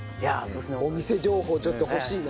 お店情報ちょっと欲しいな。